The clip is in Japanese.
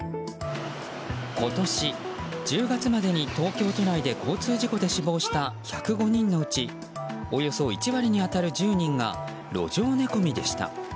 今年１０月までに東京都内で交通事故で死亡した１０５人のうちおよそ１割に当たる１０人が路上寝込みでした。